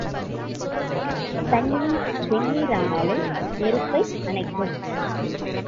தண்ணீர் வெந்நீர் ஆனாலும் நெருப்பை அணைக்கும்.